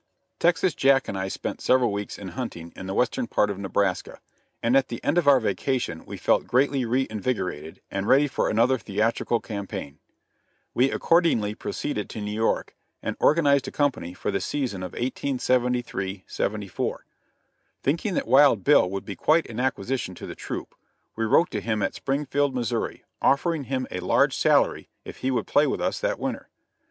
Texas Jack and I spent several weeks in hunting in the western part of Nebraska, and at the end of our vacation we felt greatly re invigorated and ready for another theatrical campaign. We accordingly proceeded to New York and organized a company for the season of 1873 74. Thinking that Wild Bill would be quite an acquisition to the troupe, we wrote to him at Springfield, Missouri, offering him a large salary if he would play with us that winter.